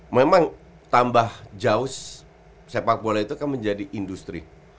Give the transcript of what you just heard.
memang tambah jauh sepak bola itu kan menjadi industri